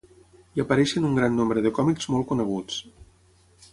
Hi apareixen un gran nombre de còmics molt coneguts.